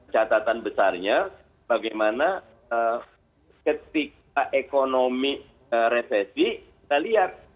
catatan besarnya bagaimana ketika ekonomi resesi kita lihat